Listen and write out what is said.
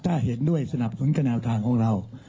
ถ้าเห็นด้วยสนับสนุนกับแนวทางของเรา